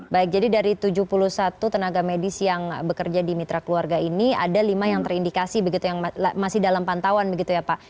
baik jadi dari tujuh puluh satu tenaga medis yang bekerja di mitra keluarga ini ada lima yang terindikasi begitu yang masih dalam pantauan begitu ya pak